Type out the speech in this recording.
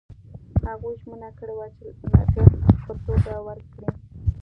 هغوی ژمنه کړې وه چې لګښت په توګه ورکوي.